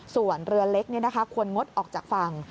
ส่วนเรือเล็กควรงดออกจากฝั่ง